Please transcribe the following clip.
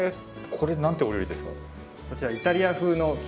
これ何ていうお料理ですか？